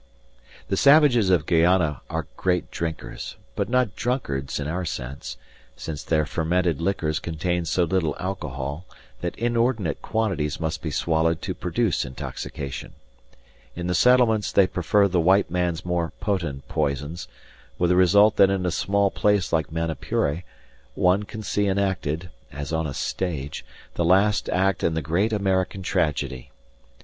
The savages of Guayana are great drinkers, but not drunkards in our sense, since their fermented liquors contain so little alcohol that inordinate quantities must be swallowed to produce intoxication; in the settlements they prefer the white man's more potent poisons, with the result that in a small place like Manapuri one can see enacted, as on a stage, the last act in the great American tragedy.